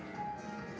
あ！